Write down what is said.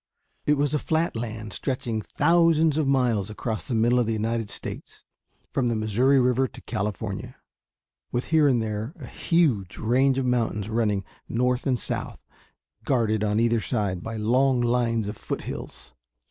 It was a flat land stretching thousands of miles across the middle of the United States from the Missouri River to California, with here and there a huge range of mountains running north and south, guarded on either side by long lines of foothills.